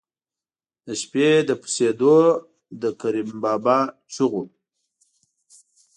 د شپې د پسېدو د کریم بابا چغو.